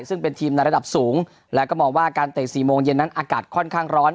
ซึ่งเป็นทีมในระดับสูงแล้วก็มองว่าการเตะ๔โมงเย็นนั้นอากาศค่อนข้างร้อน